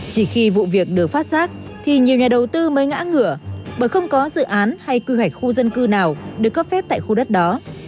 chỉ khi vụ việc được phát giác thì nhiều nhà đầu tư mới ngã ngửa bởi không có dự án hay quy hoạch khu dân cư nào được cấp phép tại khu đất đó